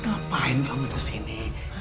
ngapain kamu disini